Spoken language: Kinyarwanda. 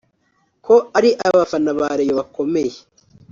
ko ari abafana ba Rayon bakomeye